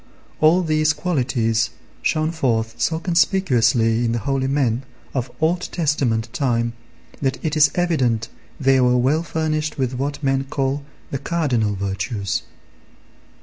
All these qualities shone forth so conspicuously in the holy men of Old Testament time, that it is evident they were well furnished with what men call the cardinal virtues.